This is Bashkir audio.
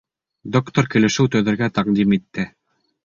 Доктор килешеү төҙөргә тәҡдим итте.